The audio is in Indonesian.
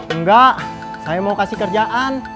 enggak saya mau kasih kerjaan